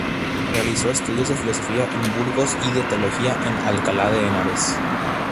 Realizó estudios de filosofía en Burgos y de teología en Alcalá de Henares.